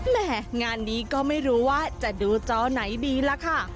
แม่งานนี้ก็ไม่รู้ว่าจะดูจอไหนดีล่ะค่ะ